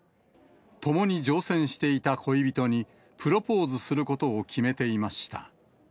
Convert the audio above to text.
共に乗船していた恋人にプロポーズすることを決めていました。